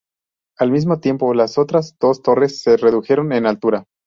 Al mismo tiempo, las otras dos torres se redujeron en altura.